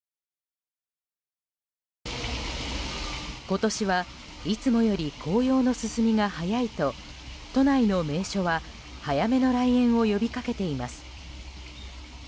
今年はいつもより紅葉の進みが早いと都内の名所は早めの来園を呼びかけています。